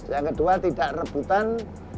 yang kedua tidak rebutan